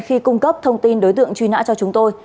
khi cung cấp thông tin đối tượng truy nã cho chúng tôi